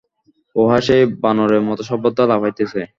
উহা সেই বানরের মত সর্বদা লাফাইতেছে।